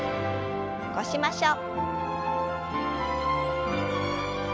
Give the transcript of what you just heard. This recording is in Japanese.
起こしましょう。